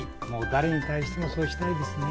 誰に対してもそうしたいですね。